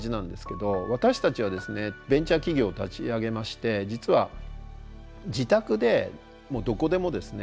私たちはですねベンチャー企業を立ち上げまして実は自宅でもどこでもですね